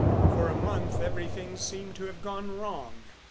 For a month everything seemed to have gone wrong.